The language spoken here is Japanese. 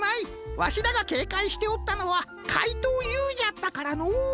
わしらがけいかいしておったのはかいとうＵじゃったからのう。